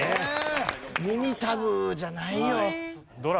耳たぶじゃないよ。